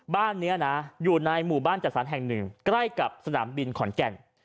บ้านนี้นะอยู่ในหมู่บ้านจัดสรรแห่งหนึ่งใกล้กับสนามบินขอนแก่น